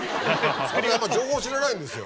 私あんま情報知らないんですよ